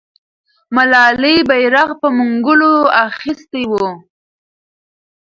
ملالۍ بیرغ په منګولو اخیستی وو.